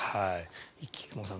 菊間さん